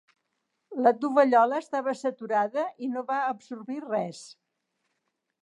La tovallola estava saturada i no va absorbir res.